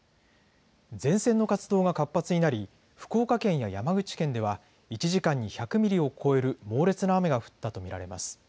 前線の活動が活発になり福岡県や山口県では１時間に１００ミリを超える猛烈な雨が降ったと見られます。